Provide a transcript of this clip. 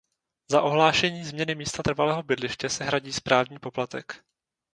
Za ohlášení změny místa trvalého bydliště se hradí správní poplatek.